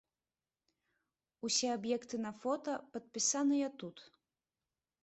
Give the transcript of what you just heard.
Усе аб'екты на фота падпісаныя тут.